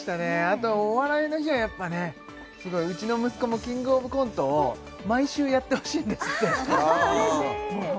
あと「お笑いの日」はやっぱねうちの息子も「キングオブコント」を毎週やってほしいんですってああ嬉しい